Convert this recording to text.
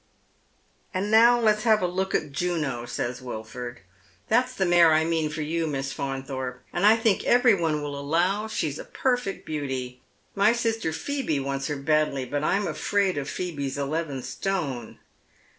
" And now let's have a look at Juno," says Wilford. " That's the mare I mean for you. Miss Faunthorpe, and I think every one will allow she's a perfect beauty. My sister Phoebe wants her badly, but I'm afraid of Phoebe's eleven stone."